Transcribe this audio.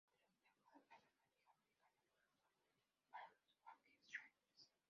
Jugó tres temporadas en la Liga Americana de Football para los Oakland Raiders.